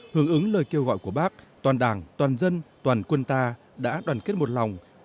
hướng ứng lời kêu gọi của bác toàn đảng toàn dân toàn quân ta đã đoàn kết một lòng